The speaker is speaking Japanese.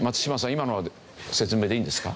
今の説明でいいんですか？